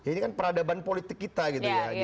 ini kan peradaban politik kita gitu ya